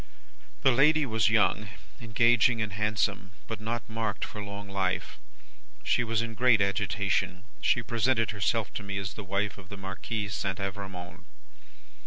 "The lady was young, engaging, and handsome, but not marked for long life. She was in great agitation. She presented herself to me as the wife of the Marquis St. Evrémonde.